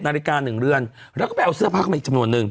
นาฬิกา๑เรือนแล้วก็ไปเอาเสื้อผ้าเข้ามาอีกจำนวนนึง